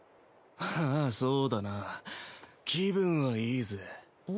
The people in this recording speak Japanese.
あぁそうだな気分はいいぜ。